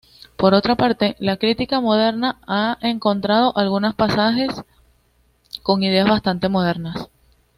Por otra parte, la crítica moderna ha encontrado algunos pasajes con ideas bastantes modernas.